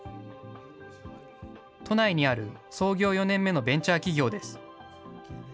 都内にある創業４年目のベンチャー企業です。